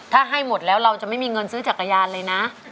ถ้าให้หมดแล้วเราจะไม่มีเงินซื้อจักรยานเลยนะ